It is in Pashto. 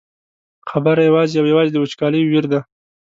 خبره یوازې او یوازې د وچکالۍ ویر دی.